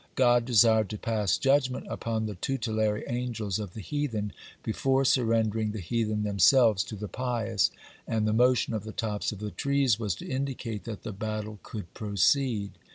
God desired to pass judgment upon the tutelary angels of the heathen, before surrendering the heathen themselves to the pious, (54) and the motion of the tops of the trees was to indicate that the battle could proceed.